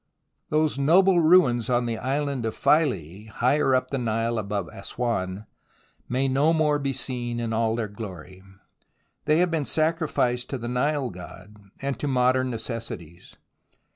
Those noble ruins on the island of Philae higher up the Nile above Assouan may no more be seen in all their glory. They have been sacrificed to the Nile god and to modern necessities.